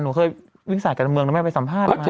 หนูเคยวิงสายก่อนแต่เรื่องเมืองไปสัมพาตรภาพ